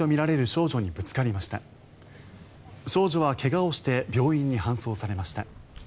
少女は怪我をして病院に搬送されました。